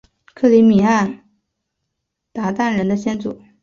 克里米亚鞑靼人的先祖？